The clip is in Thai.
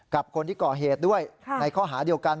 กับคนที่ก่อเหตุด้วยในข้อหาเดียวกัน